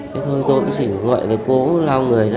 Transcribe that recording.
thế thôi tôi cũng chỉ vừa mới cố lao người ra